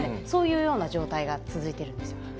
そういうような状態が続いてるんですよ。